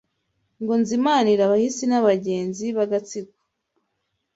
Ngo nzimanire abahisi N'abagenzi b'agatsiko